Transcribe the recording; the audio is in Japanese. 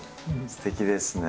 すてきですね。